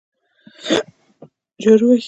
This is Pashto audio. جارو وهي.